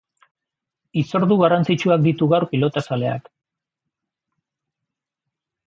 Hitzordu garrantzitsuak ditu gaur pelotazaleak.